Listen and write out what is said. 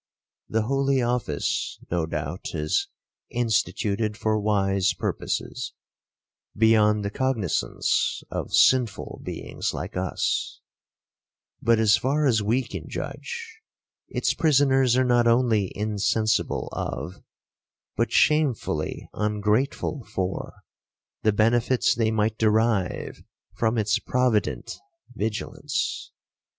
The holy office, no doubt, is instituted for wise purposes, beyond the cognizance of sinful beings like us; but, as far as we can judge, its prisoners are not only insensible of, but shamefully ungrateful for, the benefits they might derive from its provident vigilance.